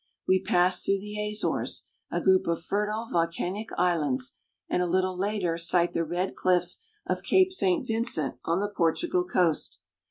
We pass through the Azores, a group of fertile volcanic islands, and a little later sight the red cliffs of Cape St. Vincent on the Portugal coast.